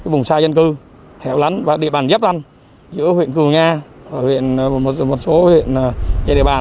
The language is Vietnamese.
vùng xa dân cư hẻo lắn và địa bàn dấp lăn giữa huyện cửu nga và một số huyện chế địa bàn